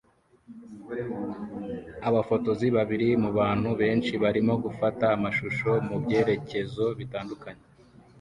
Abafotozi babiri mubantu benshi barimo gufata amashusho mubyerekezo bitandukanye